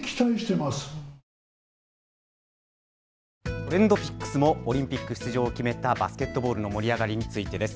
ＴｒｅｎｄＰｉｃｋｓもオリンピック出場を決めたバスケットボールの盛り上がりについてです。